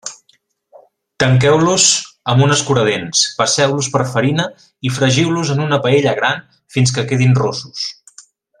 Tanqueu-los amb un escuradents, passeu-los per farina i fregiu-los en una paella gran fins que quedin rossos.